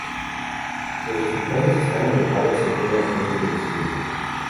Los resultados están agrupados según la fuente del estudio.